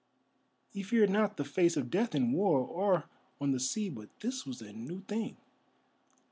He feared not the face of Death in war, or on the sea, but this was a new thing.